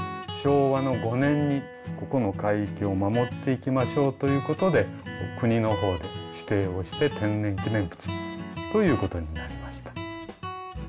昭和の５年にここの海域を守っていきましょうということで国の方で指定をして天然記念物ということになりました。